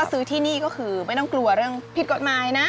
ซื้อที่นี่ก็คือไม่ต้องกลัวเรื่องผิดกฎหมายนะ